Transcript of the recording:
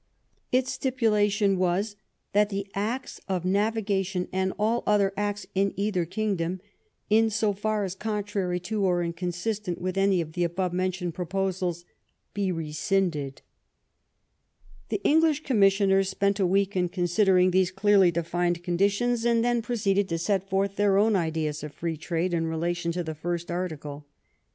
Its stipu lation was " That the Acts of Navigation, and all other Acts in either kingdom, in so far as contrary to or in consistent with any of the above mentioned proposals, be rescinded." The English commissioners spent a week in consid ering these clearly defined conditions, and then pro ceeded to set forth their own ideas of free trade in relation to the first article.